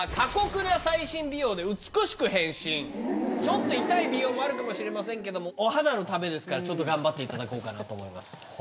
ちょっと痛い美容もあるかもしれませんけどお肌のためですから頑張っていただこうと思います。